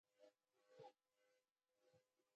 فزیک د طبیعت ژبه ده.